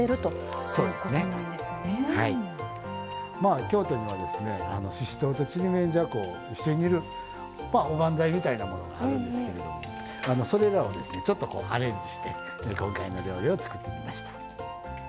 まあ京都にはですねししとうとちりめんじゃこを一緒に入れるおばんざいみたいなものがあるんですけれどそれらをですねちょっとこうアレンジして今回の料理を作ってみました。